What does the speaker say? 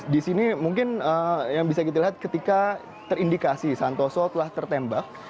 di sini mungkin yang bisa kita lihat ketika terindikasi santoso telah tertembak